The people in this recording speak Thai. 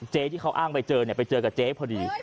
เจ๊ที่เขาอ้างไปเจอเนี่ยไปเจอกับเจ๊พอดี